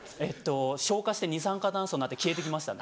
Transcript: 昇華して二酸化炭素になって消えて行きましたね。